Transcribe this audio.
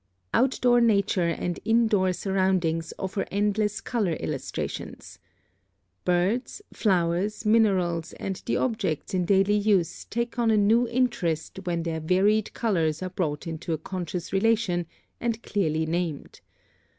(53) Outdoor nature and indoor surroundings offer endless color illustrations. Birds, flowers, minerals, and the objects in daily use take on a new interest when their varied colors are brought into a conscious relation, and clearly named.